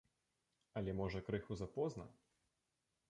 Але можа крыху запозна?